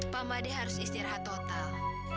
pak made harus istirahat total